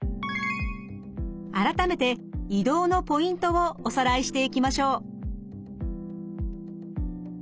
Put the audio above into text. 改めて移動のポイントをおさらいしていきましょう。